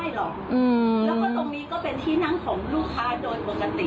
แล้วก็ตรงนี้ก็เป็นที่นั่งของลูกค้าโดยปกติ